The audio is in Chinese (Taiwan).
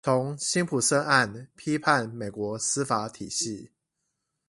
從辛普森案批判美國司法體系